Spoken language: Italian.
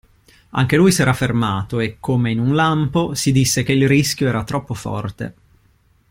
Anche lui s'era fermato e, come in un lampo, si disse che il rischio era troppo forte.